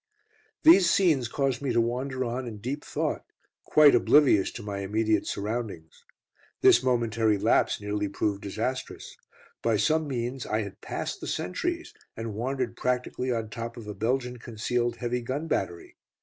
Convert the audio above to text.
These scenes caused me to wander on in deep thought, quite oblivious to my immediate surroundings. This momentary lapse nearly proved disastrous. By some means I had passed the sentries, and wandered practically on top of a Belgian concealed heavy gun battery.